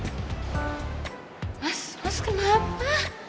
mas mas kenapa